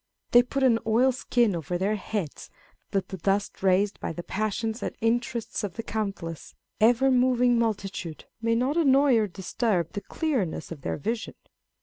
They put an oil skin over their heads, that the dust raised by the passions and interests of the count less, ever moving multitude, may not annoy or disturb the clearness of their vision.